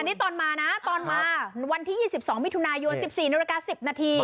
นี่ตอนมานะตอนมาวันที่๒๒มิถุนายน๑๔นาฬิกา๑๐นาที